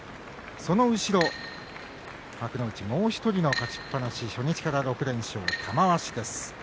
その後ろ、幕内もう１人勝ちっぱなし初日から６連勝の玉鷲です。